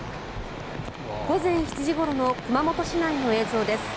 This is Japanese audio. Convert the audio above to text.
午前７時ごろの熊本市内の映像です。